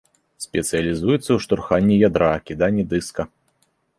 Спецыялізуецца ў штурханні ядра, кіданні дыска.